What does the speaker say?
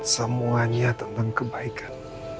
semuanya tentang kebaikan